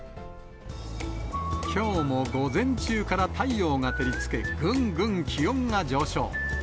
きょうも午前中から太陽が照りつけ、ぐんぐん気温が上昇。